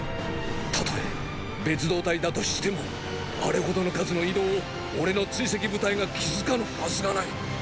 たとえ別働隊だとしてもあれほどの数の移動を俺の追跡部隊が気付かぬはずがない！